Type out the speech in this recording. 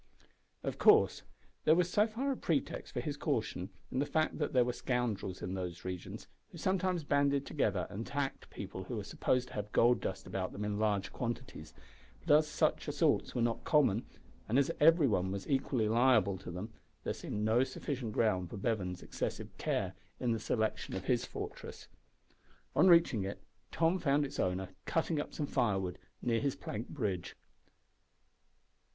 Of course there was so far a pretext for his caution in the fact that there were scoundrels in those regions, who sometimes banded together and attacked people who were supposed to have gold dust about them in large quantities, but as such assaults were not common, and as every one was equally liable to them, there seemed no sufficient ground for Bevan's excessive care in the selection of his fortress. On reaching it, Tom found its owner cutting up some firewood near his plank bridge.